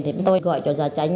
thì tôi gọi cho gia tranh